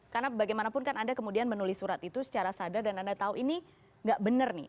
karena bagaimanapun kan anda kemudian menulis surat itu secara sadar dan anda tahu ini tidak benar nih